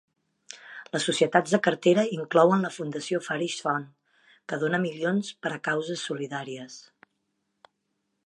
Les societats de cartera inclouen la fundació Farish Fund, que dona milions per a causes solidàries.